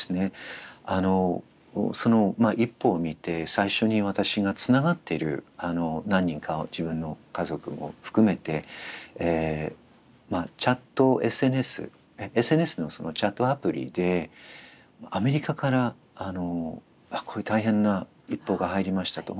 あのその一報を見て最初に私がつながってる何人かを自分の家族も含めてチャットＳＮＳＳＮＳのそのチャットアプリでアメリカから「これ大変な一報が入りました」と。